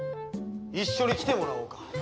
一緒に来てもらおうか。